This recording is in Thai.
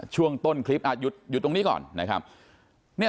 ช่วงต้นคลิปอยู่ตรงนี้ก่อนนะครับ